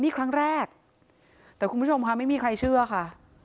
นี่ครั้งแรกแต่คุณผู้ชมค่ะไม่มีใครเชื่อค่ะ